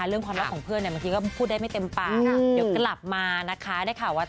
เพราะต่างคนก็ต่างยุ่งเนาะ